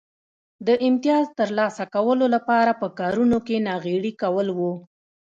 د امیتاز ترلاسه کولو لپاره په کارونو کې ناغېړي کول و